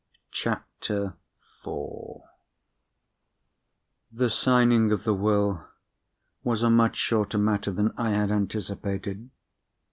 CHAPTER IV The signing of the Will was a much shorter matter than I had anticipated.